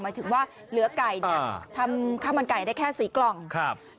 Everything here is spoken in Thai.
หมายถึงว่าเหลือไก่เนี่ยทำข้าวมันไก่ได้แค่สี่กล่องครับ